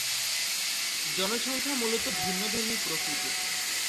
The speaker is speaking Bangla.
জনসংখ্যা মূলত ভিন্নধর্মী প্রকৃতির।